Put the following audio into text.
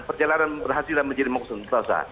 perjalanan berhasil dan menjadi maksudnya